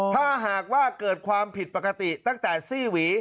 ถ้าหากว่าเกิดความผิดปกติตั้งแต่ซี่หวี